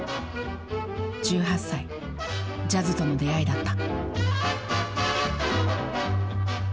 １８歳ジャズとの出会いだった。